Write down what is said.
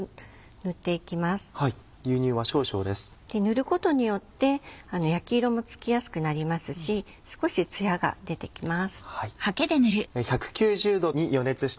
塗ることによって焼き色もつきやすくなりますし少しツヤが出てきます。